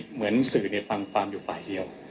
เหมือนสื่อฟังความอยู่ฝ่ายเดียว